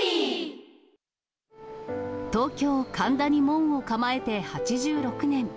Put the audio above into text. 東京・神田に門を構えて８６年。